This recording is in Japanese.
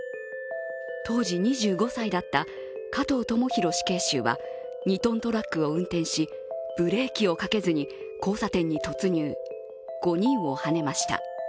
当時２５歳だった加藤智大死刑囚は２ｔトラックを運転しブレーキをかけずに交差点に突入、５人をはねました。